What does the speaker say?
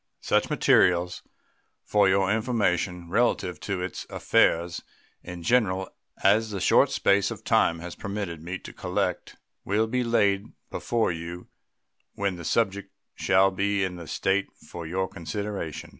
Such materials, for your information, relative to its affairs in general as the short space of time has permitted me to collect will be laid before you when the subject shall be in a state for your consideration.